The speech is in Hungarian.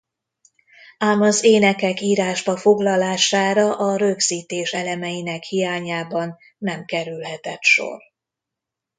Ám az énekek írásba foglalására a rögzítés elemeinek hiányában nem kerülhetett sor.